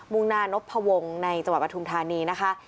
่งหน้านพวงในจังหวัดปทุมธานีนะคะ